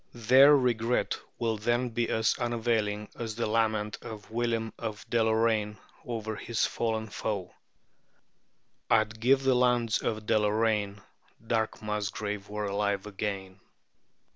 Their regret will then be as unavailing as the lament of William of Deloraine over his fallen foe "I'd give the lands of Deloraine Dark Musgrave were alive again."